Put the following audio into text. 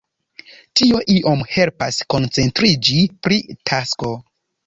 Tio iom helpas koncentriĝi pri tasko.